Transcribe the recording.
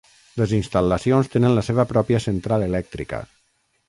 Les instal·lacions tenen la seva pròpia central elèctrica.